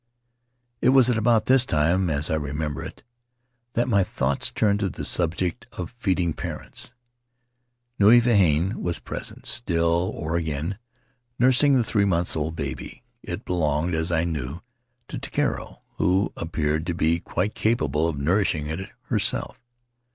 It was at about this time, as I remember it, that my thoughts turned to the subject of feeding parents. Nui Vahine was present, still — or again — nursing the three months' old baby. It belonged, as I knew, to Takiero, who appeared to be quite capable of nourish ing it herself.